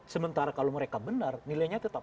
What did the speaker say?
sementara kalau mereka benar nilainya tetap